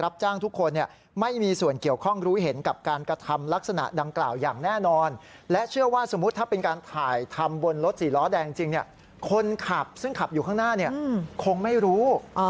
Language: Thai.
อ่ะคลังหลังถ้ามันถ่ายอะไรกันก็ไม่รู้